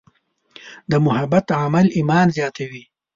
د محبت عمل ایمان زیاتوي.